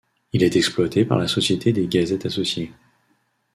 Il est exploité par la société des Gazettes Associées.